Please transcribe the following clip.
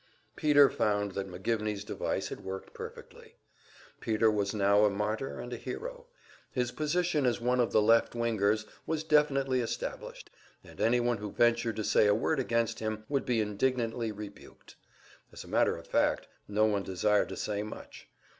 Peter found that McGivney's device had worked perfectly. Peter was now a martyr and a hero; his position as one of the "left wingers" was definitely established, and anyone who ventured to say a word against him would be indignantly rebuked. As a matter of fact, no one desired to say much.